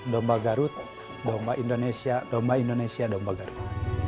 domba garut domba indonesia domba indonesia domba garba